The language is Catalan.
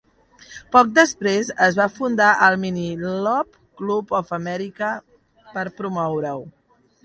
Poc després, es va fundar el Mini Lop Club of America per promoure-ho.